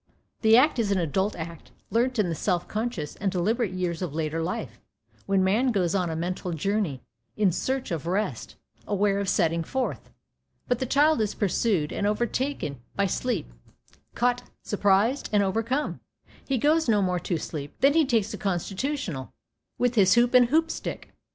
That act is an adult act, learnt in the self conscious and deliberate years of later life, when man goes on a mental journey in search of rest, aware of setting forth. But the child is pursued and overtaken by sleep, caught, surprised, and overcome. He goes no more to sleep, than he takes a "constitutional" with his hoop and hoopstick.